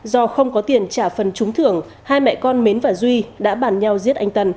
do không có tiền trả phần trúng thưởng hai mẹ con mến và duy đã bàn nhau giết anh tần